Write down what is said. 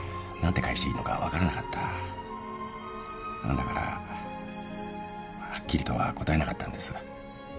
だからはっきりとは答えなかったんです。